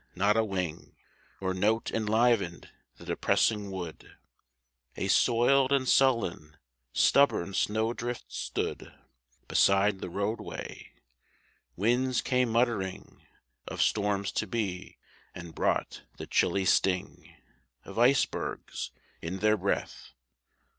Not a wing Or note enlivened the depressing wood, A soiled and sullen, stubborn snowdrift stood Beside the roadway. Winds came muttering Of storms to be, and brought the chilly sting Of icebergs in their breath.